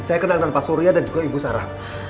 saya kenangan pak surya dan juga ibu sarah